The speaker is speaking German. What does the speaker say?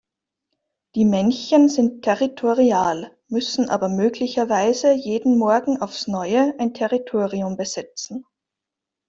Die Männchen sind territorial, müssen aber möglicherweise jeden Morgen aufs Neue ein Territorium besetzen.